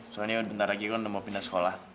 soalnya bentar lagi kan udah mau pindah sekolah